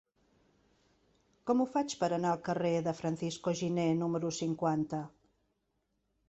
Com ho faig per anar al carrer de Francisco Giner número cinquanta?